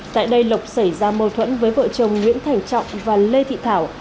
tại đây lộc xảy ra mâu thuẫn với vợ chồng nguyễn thành trọng và lê thị thảo